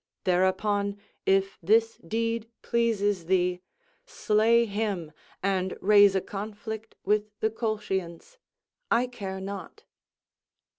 Thereupon if this deed pleases thee, slay him and raise a conflict with the Colchians, I care not."